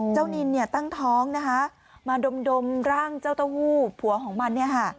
เจ้านินตั้งท้องมาดมร่างเจ้าเต้าหู้ผัวของมัน